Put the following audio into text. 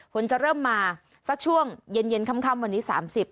ฝนจะเริ่มมาสักช่วงเย็นเย็นค่ำค่ำวันนี้สามสิบ